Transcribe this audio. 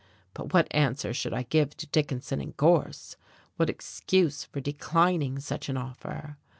But what answer should I give to Dickinson and Gorse? what excuse for declining such an offer?